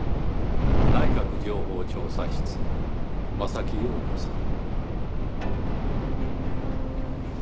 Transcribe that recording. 内閣情報調査室柾庸子さん。